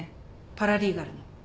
パラリーガルの。